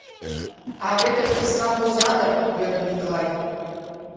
— А Вӧдыр письмам воза дыр? — йодо Миклай.